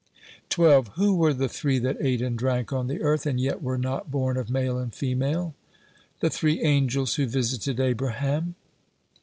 12. "Who were the three that ate and drank on the earth, and yet were not born of male and female?" "The three angels who visited Abraham."